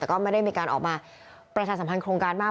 แต่ก็ไม่ได้มีการออกมาประชาสัมพันธ์โครงการมาก